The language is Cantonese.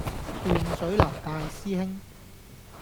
斷水流大師兄